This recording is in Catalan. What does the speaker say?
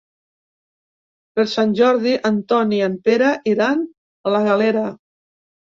Per Sant Jordi en Ton i en Pere iran a la Galera.